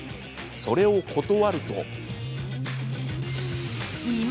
それを断ると。